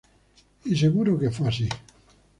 Y seguro que fue así.